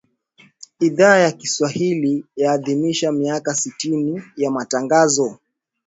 Idhaa ya Kiswahili yaadhimisha miaka sitini ya Matangazo